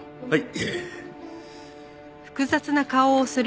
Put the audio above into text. はい。